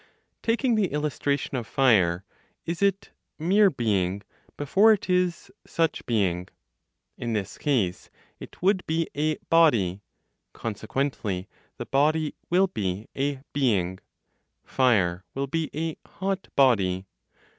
Taking the illustration of fire, is it "mere being" before it is "such being?" In this case, it would be a body. Consequently, the body will be a being; fire will be a hot body.